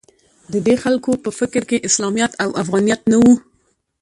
د دې خلکو په فکر کې اسلامیت او افغانیت نه و